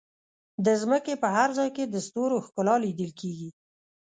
د ځمکې په هر ځای کې د ستورو ښکلا لیدل کېږي.